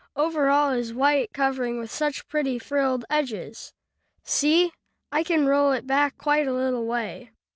Over all is a white covering with such pretty frilled edges. See, I can roll it back quite a little way."